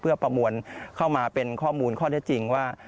เพื่อประมวลเข้ามาเป็นข้อมูลข้อเท็จจริงว่า